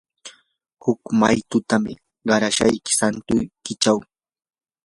huk maytutam qarashayki santuykichaw.